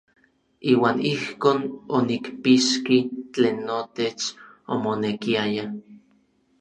Iuan ijkon onikpixki tlen notech omonekiaya.